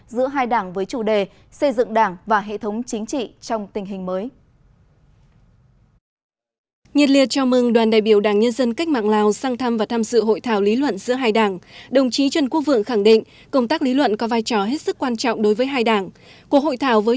giữa hai đảng với chủ đề xây dựng đảng và hệ thống chính trị trong tình hình mới